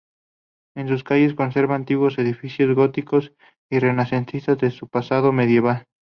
En su calles conserva antiguos edificios góticos y renacentistas de su pasado medieval.